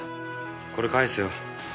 これ返すよ。